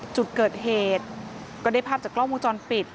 จุดเกิดเหตุก็ได้ภาพจากกล้องวงจรปิด